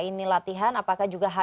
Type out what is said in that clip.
terima kasih pak bambang